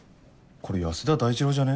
これ安田大二郎じゃね？